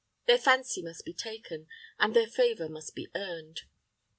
Their fancy must be taken, and their favour must be earned.